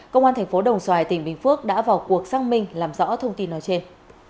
công an tp đồng xoài tỉnh bình phước đã vào cuộc xăng minh làm rõ thông tin nói trên